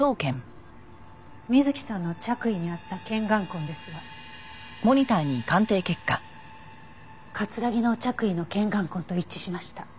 瑞希さんの着衣にあった拳眼痕ですが木の着衣の拳眼痕と一致しました。